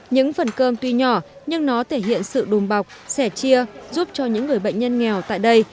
những phần cơm tuy nhỏ nhưng nó thể hiện sự đùm bọc sẻ chia giúp cho những người bệnh nhân nghèo tại đây